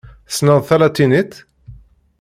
Tessneḍ talatinit?